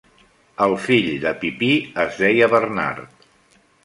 El fill de Pipí es deia Bernard.